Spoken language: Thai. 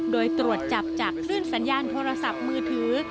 โดยตรวจจับจากคลื่นสัญญาณโทรศัพท์มือถือ